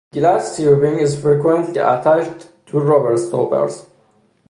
Glass tubing is frequently attached to rubber stoppers.